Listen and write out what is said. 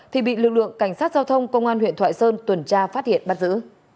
thì bị lực lượng cảnh sát giao thông công an huyện thoại sơn tuần tra phát hiện bắt giữ